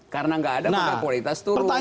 karena tidak ada maka kualitas turun